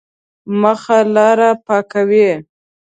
مخه لاره پاکوي.